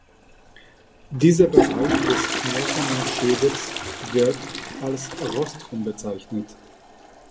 Dieser Bereich des knöchernen Schädels wird als Rostrum bezeichnet.